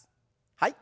はい。